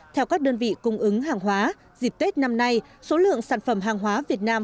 theo các đơn vị cung ứng hàng hóa dịp tết năm nay số lượng sản phẩm hàng hóa việt nam